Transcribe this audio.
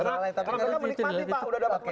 sudah dapat menikmati jadi nggak laporkan